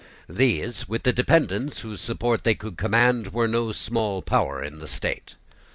These, with the dependents whose support they could command, were no small power in the state.